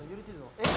えっ！